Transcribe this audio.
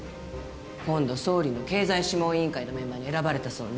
今度総理の経済諮問委員会のメンバーに選ばれたそうね